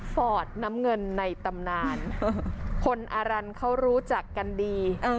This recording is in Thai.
ฟอร์ดน้ำเงินในตำนานคนอารันเขารู้จักกันดี